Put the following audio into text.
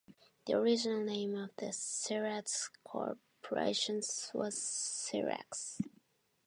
The original name of the Cyrez corporations was "Cyrex".